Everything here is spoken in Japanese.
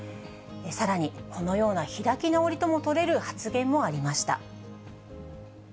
さらにこのような開き直りとも取れる発言もありました。